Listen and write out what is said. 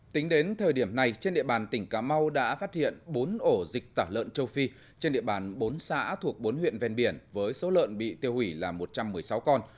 tính đến thời điểm này trên địa bàn tỉnh cà mau đã phát hiện bốn ổ dịch tả lợn châu phi trên địa bàn bốn xã thuộc bốn huyện ven biển với số lợn bị tiêu hủy là một trăm một mươi sáu con